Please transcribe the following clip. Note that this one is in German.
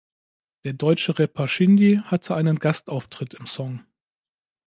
Der deutsche Rapper Shindy hatte einen Gastauftritt im Song.